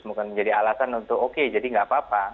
bukan menjadi alasan untuk oke jadi nggak apa apa